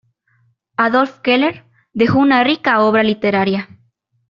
Adolf Keller dejó una rica obra literaria.